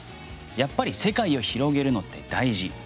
やっぱり世界を広げるのって大事。